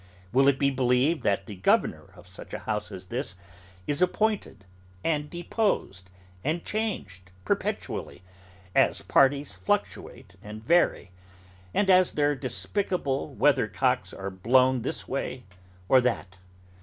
Will it be believed that the governor of such a house as this, is appointed, and deposed, and changed perpetually, as Parties fluctuate and vary, and as their despicable weathercocks are blown this way or that?